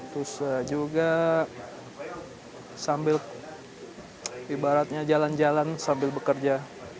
terus juga sambil ibaratnya jalan jalan sambil bekerja